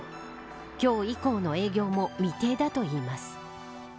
今日以降の営業も未定だといいます。